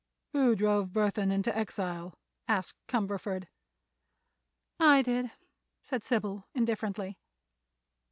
"Who drove Burthon into exile?" asked Cumberford. "I did," said Sybil, indifferently.